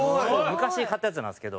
昔買ったやつなんですけど。